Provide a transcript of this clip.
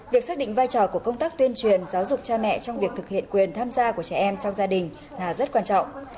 việc xác định vai trò của công tác tuyên truyền giáo dục cha mẹ trong việc thực hiện quyền tham gia của trẻ em trong gia đình là rất quan trọng